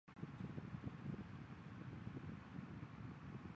百簕花是爵床科百簕花属的植物。